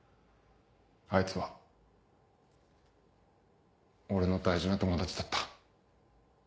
あいつは俺の大事な友達だった。